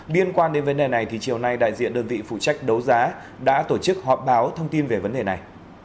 liên quan đến vấn đề này thì chiều nay đại diện đơn vị phụ trách đấu giá đã tổ chức họp báo thông tin về vấn đề này